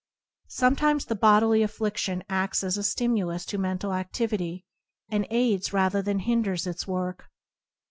Sometimes the bodily afflidion ads as a stimulus to mental adiv ity, and aids rather than hinders its work.